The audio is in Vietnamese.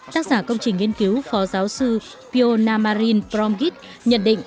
tác giả công trình nghiên cứu phó giáo sư piyo namarin prongit nhận định